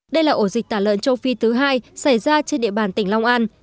đây là ổ dịch tả lợn châu phi thứ hai xảy ra trên địa bàn tỉnh long an